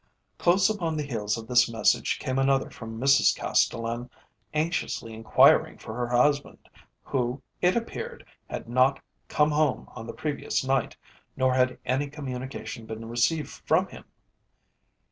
Close upon the heels of this message came another from Mrs Castellan anxiously inquiring for her husband, who, it appeared, had not come home on the previous night, nor had any communication been received from him.